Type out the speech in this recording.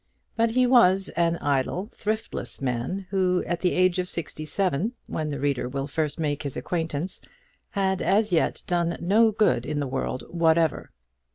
But he was an idle, thriftless man, who, at the age of sixty seven, when the reader will first make his acquaintance, had as yet done no good in the world whatever.